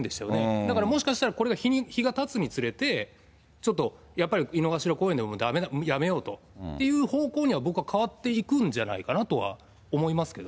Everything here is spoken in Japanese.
だからもしかしたら、これは日がたつにつれて、ちょっとやっぱり井の頭公園でもだめだ、やめようと、という方向には、僕は変わっていくんじゃないかなとは思いますけどね。